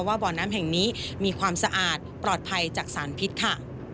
บ่อน้ำแห่งนี้มีความสะอาดปลอดภัยจากสารพิษค่ะ